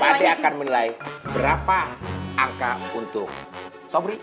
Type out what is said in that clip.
pak d akan menilai berapa angka untuk sobri